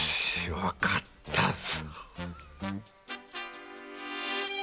わかったぞ！